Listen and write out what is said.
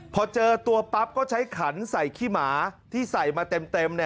พอเจอตัวปั๊บก็ใช้ขันใส่ขี้หมาที่ใส่มาเต็ม